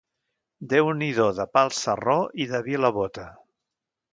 Déu n'hi do de pa al sarró i de vi a la bota.